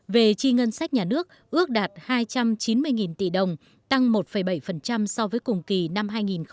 về chi ngân sách nhà nước ước đạt hai trăm chín mươi tỷ đồng tăng một bảy so với cùng kỳ năm hai nghìn một mươi tám